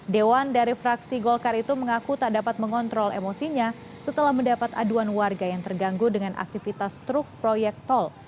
dewan dari fraksi golkar itu mengaku tak dapat mengontrol emosinya setelah mendapat aduan warga yang terganggu dengan aktivitas truk proyek tol